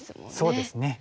そうですね。